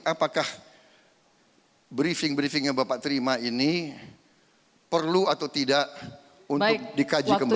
apakah briefing briefing yang bapak terima ini perlu atau tidak untuk dikaji kembali